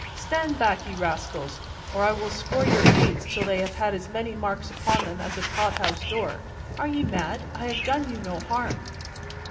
Stand back, ye rascals, or I will score your pates till they have as many marks upon them as a pothouse door! Are ye mad? I have done you no harm."